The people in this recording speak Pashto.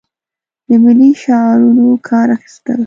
له ملي شعارونو کار اخیستل.